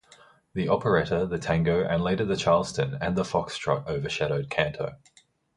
The operetta, the tango and later the charleston, and the foxtrot overshadowed kanto.